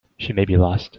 She may be lost.